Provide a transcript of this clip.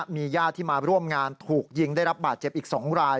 มีญาติที่มาร่วมงานถูกยิงได้รับบาดเจ็บอีก๒ราย